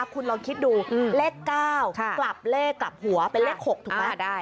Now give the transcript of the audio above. คุณลองคิดดูเลข๙กลับเลขกลับหัวเป็นเลข๖ถูกไหม